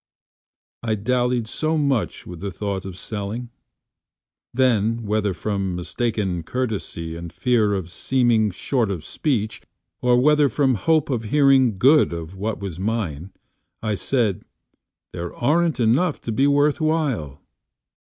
I dallied so much with the thought of selling. Then whether from mistaken courtesyAnd fear of seeming short of speech, or whetherFrom hope of hearing good of what was mine,I said, "There aren't enough to be worth while."